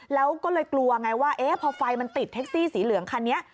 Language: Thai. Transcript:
แล้วก็เลยกลัวไงว่าพอไฟมันติดแท็กซี่สีเหลืองคันนี้